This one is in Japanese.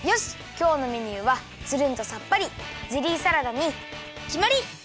きょうのメニューはつるんとさっぱりゼリーサラダにきまり！